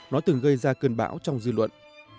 nó từng gây ra cơn bão trong dư luận